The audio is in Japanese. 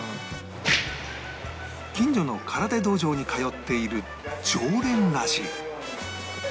近所の空手道場に通っている常連らしい